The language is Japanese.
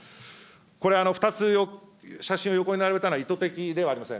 これ、２つ写真を横に並べたのは、意図的ではありません。